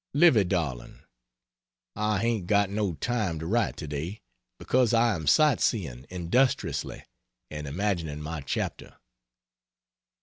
Livy darling, I hain't got no time to write today, because I am sight seeing industriously and imagining my chapter.